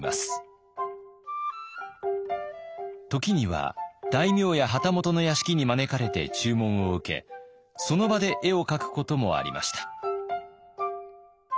時には大名や旗本の屋敷に招かれて注文を受けその場で絵を描くこともありました。